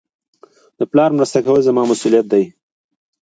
د پلار مرسته کول زما مسئولیت دئ.